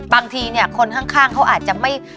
บางทีคนข้างเขาอาจจะ